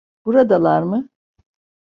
Buradalar mı?